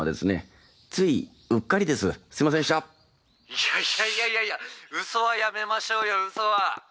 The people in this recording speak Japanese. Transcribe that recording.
「いやいやいやいやいや嘘はやめましょうよ嘘は。